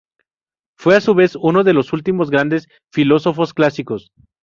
Fue a su vez uno de los últimos grandes filósofos clásicos.